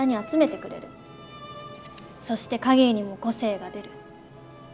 そして影にも個性が出る。